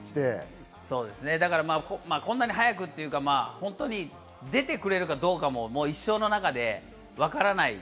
こんなに早くというか、出てくれるかどうかも一生の中で分からない。